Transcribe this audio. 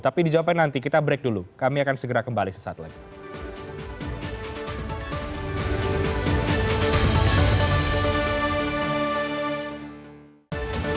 tapi dijawabkan nanti kita break dulu kami akan segera kembali sesaat lagi